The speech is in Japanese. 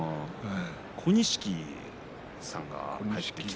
小錦さんが入ってきて。